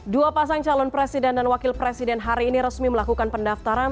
dua pasang calon presiden dan wakil presiden hari ini resmi melakukan pendaftaran